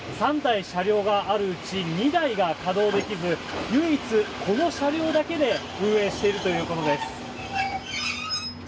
３台車両があるうち２台が稼働できず唯一この車両だけで運営しているということです。